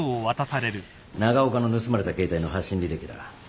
長岡の盗まれた携帯の発信履歴だ。